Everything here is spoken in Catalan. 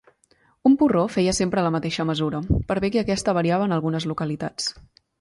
Un porró feia sempre la mateixa mesura, per bé que aquesta variava en algunes localitats.